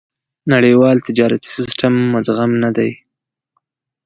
نړيوال تجارتي سېسټم مدغم نه دي.